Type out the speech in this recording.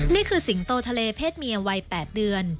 สิงโตทะเลเพศเมียวัย๘เดือน